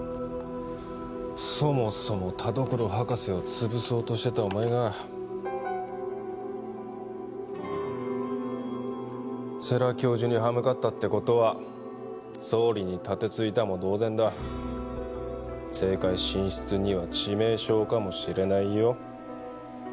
そもそも田所博士をつぶそうとしてたお前が世良教授に歯向かったってことは総理に盾突いたも同然だ政界進出には致命傷かもしれないよ？